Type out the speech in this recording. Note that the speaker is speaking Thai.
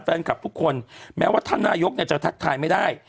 แฟนคลับทุกคนแม้ว่าท่านนายกจะทักทายไม่ได้